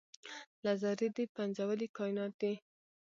له ذرې دې پنځولي کاینات دي